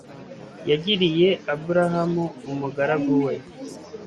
yagiriye abrahamu, umugaragu we